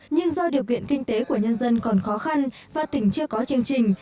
nhưng do điều kiện kinh tế của nhân dân còn khó khăn và tỉnh chưa có chương trình